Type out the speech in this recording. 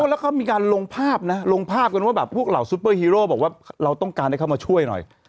แล้วเขามีการลงภาพนะลงภาพกันว่าแบบพวกเหล่าซุปเปอร์ฮีโร่บอกว่าเราต้องการให้เขามาช่วยหน่อย